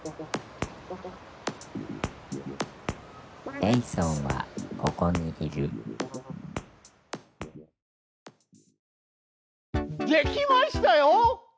ジェイソンはココにいるできましたよ！